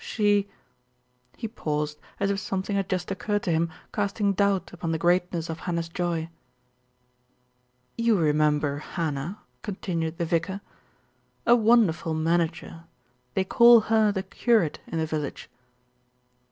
She " He paused, as if something had just occurred to him casting doubt upon the greatness of Hannah's joy. "You remember Hannah," continued the vicar. LITTLE BILSTEAD RECEIVES A SHOCK 79 "A wonderful manager, they call her the curate in the village."